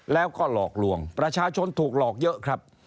แล้วก็หลอกลวงประชาชนถูกหลอกเยอะครับ